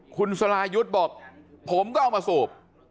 คุณสรายุทธ์บอกผมก็เอามาสูบ